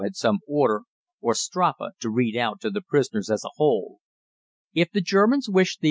had some order or Strafe to read out to the prisoners as a whole. If the Germans wished the 11.